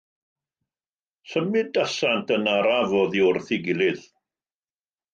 Symudasant yn araf oddi wrth ei gilydd.